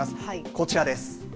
こちらです。